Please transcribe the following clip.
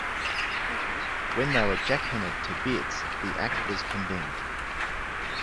When they were "jackhammered" "to bits" the act was condemned.